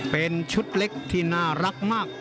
เป็นชุดเล็กที่น่ารักมาก